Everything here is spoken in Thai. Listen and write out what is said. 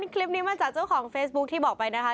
คลิปนี้มาจากเจ้าของเฟซบุ๊คที่บอกไปนะคะ